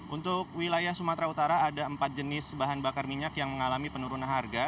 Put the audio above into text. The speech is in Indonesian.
untuk wilayah sumatera utara ada empat jenis bahan bakar minyak yang mengalami penurunan harga